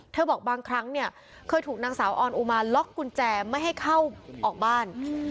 บอกบางครั้งเนี่ยเคยถูกนางสาวออนอุมาล็อกกุญแจไม่ให้เข้าออกบ้าน